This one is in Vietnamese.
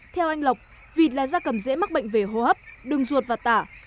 theo anh lộc vịt là da cầm dễ mắc bệnh về hô hấp đường ruột và tả